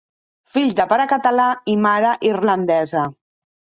Fill de pare català i mare irlandesa.